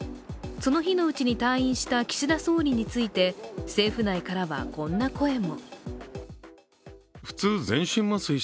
その日のうちに退院した岸田総理について政府内からはこんな声も。